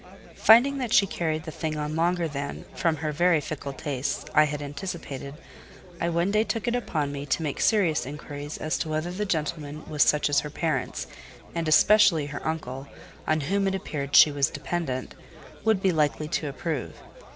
Finding that she carried the thing on longer than, from her very fickle tastes, I had anticipated, I one day took it upon me to make serious inquiries as to whether the gentleman was such as her parents, and especially her uncle—on whom, it appeared, she was dependent—would be likely to approve.